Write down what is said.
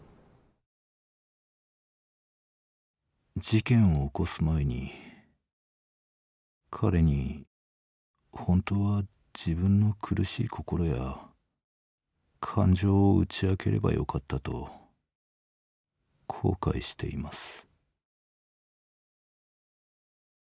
「事件を起こす前に彼に本当は自分の苦しい心や感情を打ち明ければよかったと後悔しています」。